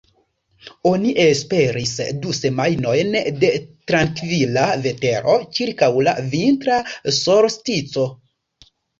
Oni esperis du semajnojn de trankvila vetero ĉirkaŭ la vintra solstico.